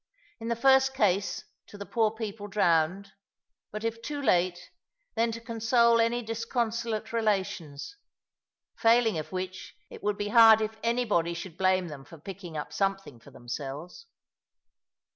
In the first case, to the poor people drowned; but if too late, then to console any disconsolate relations: failing of which, it would be hard if anybody should blame them for picking up something for themselves.